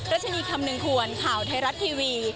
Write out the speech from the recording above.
รัชนีคำนึงควรข่าวไทยรัฐทีวี